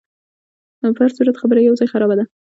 په هرصورت خبره یو ځای خرابه ده.